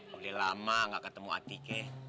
mulai lama nggak ketemu atikeh